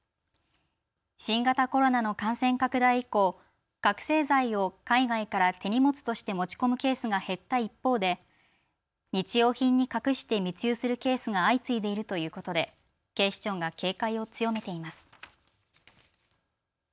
新型コロナの感染拡大以降、覚醒剤を海外から手荷物として持ち込むケースが減った一方で日用品に隠して密輸するケースが相次いでいるということで警視庁が警戒を強めています。